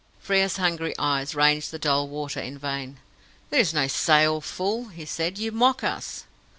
Frere's hungry eyes ranged the dull water in vain. "There is no sail, fool!" he said. "You mock us!"